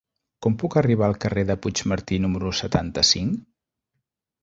Com puc arribar al carrer de Puigmartí número setanta-cinc?